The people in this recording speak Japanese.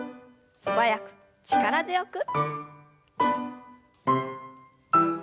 素早く力強く。